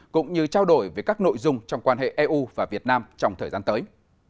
cũng như trao đổi về các nội dung trong quan hệ eu và việt nam trong thời gian tới